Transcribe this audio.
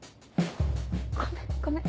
ごめんごめん